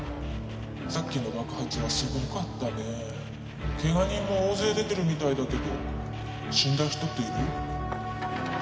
さっきの爆発はすごかったねケガ人も大勢出てるみたいだけど死んだ人っている？